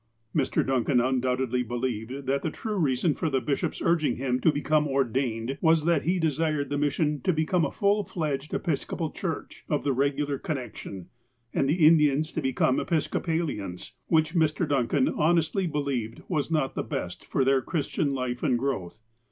Mr. Duncan undoubtedly believed that the true reason for the bishop's urging him to become ordained was that he desired the mission to become a full fledged Episcopal church, of the regular connection, and the Indians to be come Episcopalians, which Mr. Duncan honestly believed was not the best for their Christian life and growth.